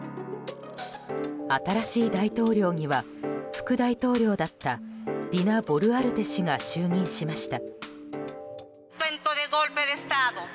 新しい大統領には副大統領だったディナ・ボルアルテ氏が就任しました。